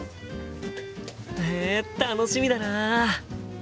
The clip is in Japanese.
へえ楽しみだな！